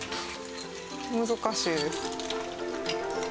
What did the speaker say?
難しいです。